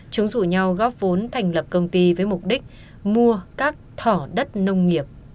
chúng rủ nhau góp vốn thành lập công ty với mục đích mua các thỏ đất nông nghiệp